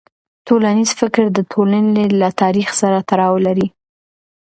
ټولنیز فکر د ټولنې له تاریخ سره تړاو لري.